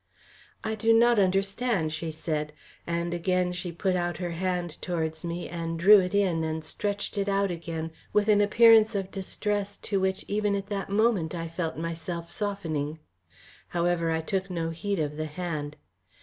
"I do not understand," she said, and again she put out her hand towards me and drew it in and stretched it out again with an appearance of distress to which even at that moment I felt myself softening. However, I took no heed of the hand.